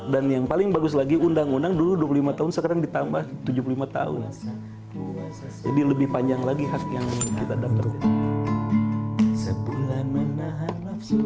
dan yang paling bagus lagi undang undang dulu dua puluh lima tahun sekarang ditambah tujuh puluh lima tahun jadi lebih panjang lagi hak yang kita dapat